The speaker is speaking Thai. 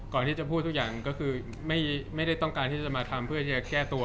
ก่อนที่จะพูดทุกอย่างก็คือไม่ได้ต้องการที่จะมาทำเพื่อจะแก้ตัว